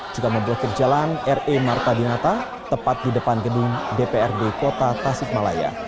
juga memblokir jalan re marta dinata tepat di depan gedung dprd kota tasikmalaya